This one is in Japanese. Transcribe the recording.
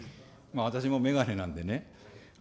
私も眼鏡なんでね。